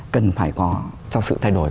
cần phải có cho sự thay đổi